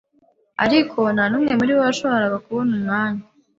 ariko nta n'umwe muri bo washoboraga kubona umwanya